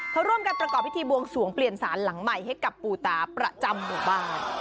เขาร่วมกันประกอบพิธีบวงสวงเปลี่ยนสารหลังใหม่ให้กับปูตาประจำหมู่บ้าน